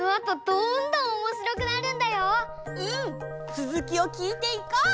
つづきを聞いていこう！